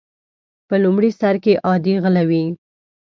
په لومړي سر کې عادي غله وي.